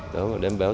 đó là điều này